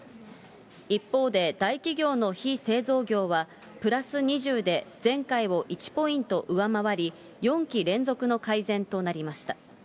一方で大企業の非製造業はプラス２０で、前回を１ポイント上回り、４期連続の改善となりました。